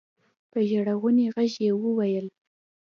په ژړغوني غږ يې وويل.